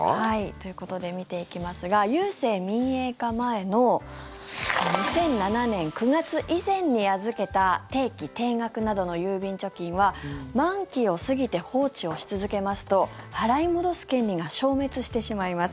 ということで見ていきますが郵政民営化前の２００７年９月以前に預けた定期・定額などの郵便貯金は満期を過ぎて放置をし続けますと払い戻す権利が消滅してしまいます。